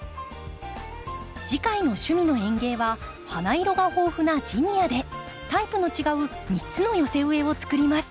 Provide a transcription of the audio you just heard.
次回の「趣味の園芸」は花色が豊富なジニアでタイプの違う３つの寄せ植えを作ります。